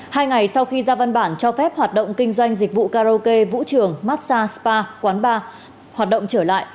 hai ngày sau khi ra văn bản cho phép hoạt động kinh doanh dịch vụ karaoke vũ trường massage spa quán bar hoạt động trở lại